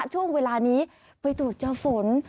ช่วงเวลานี้ไปตรวจเจอฝน